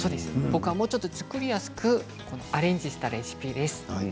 僕がもうちょっと作りやすくアレンジしたレシピです。